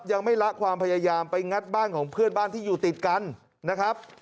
ยังไม่ละความพยายามไปงัดบ้านของเพื่อนบ้านที่อยู่ติดกันนะครับ